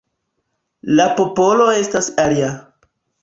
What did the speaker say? La popolo estas alia.